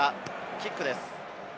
キックです。